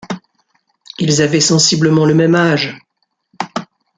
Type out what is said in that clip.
Ils avaient sensiblement le même âge.